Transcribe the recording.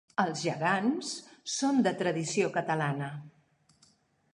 Els gegants són de tradició catalana.